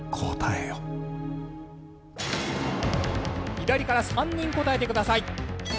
左から３人答えてください。